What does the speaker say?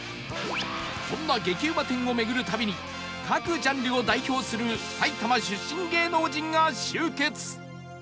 そんな激うま店を巡る旅に各ジャンルを代表する埼玉出身芸能人が集結